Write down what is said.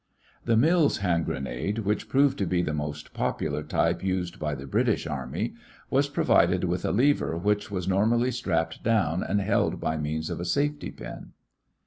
The Mills hand grenade, which proved to be the most popular type used by the British Army, was provided with a lever which was normally strapped down and held by means of a safety pin.